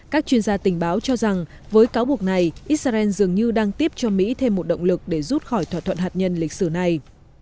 các chuyên gia tình báo cho rằng với cáo buộc này israel dường như đang tiếp cho mỹ thêm một động lực để rút khỏi thỏa thuận hạt nhân lịch sử này